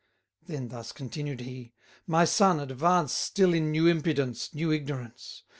Then thus continued he: My son, advance Still in new impudence, new ignorance.